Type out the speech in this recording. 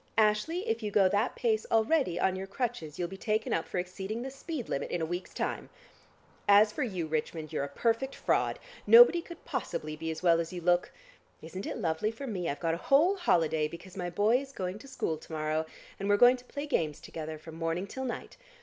Ashley, if you go that pace already on your crutches, you'll be taken up for exceeding the speed limit in a week's time. As for you, Richmond, you're a perfect fraud; nobody could possibly be as well as you look. Isn't it lovely for me? I've got a whole holiday, because my boy is going to school to morrow and we're going to play games together from morning till night.